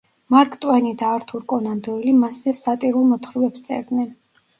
მარკ ტვენი და ართურ კონან დოილი მასზე სატირულ მოთხრობებს წერდნენ.